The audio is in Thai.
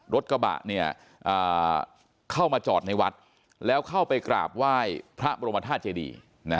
รถกระบะเข้ามาจอดในวัดแล้วเข้าไปกราบไหว้พระบรมธาตุเจดี